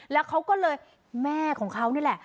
แล้วเขาก็เลยแม่ของเขานี่แหละ